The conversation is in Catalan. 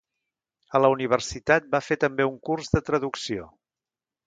A la universitat va fer també un curs de traducció.